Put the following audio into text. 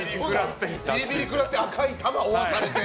ビリビリ食らって赤い球、追わされて。